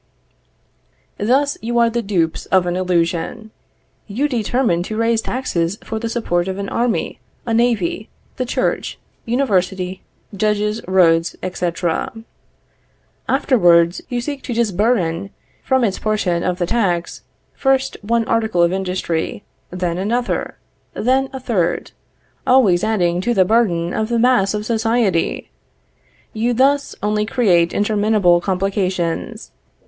Thus you are the dupes of an illusion. You determine to raise taxes for the support of an army, a navy, the church, university, judges, roads, etc. Afterwards you seek to disburthen from its portion of the tax, first one article of industry, then another, then a third; always adding to the burthen of the mass of society. You thus only create interminable complications.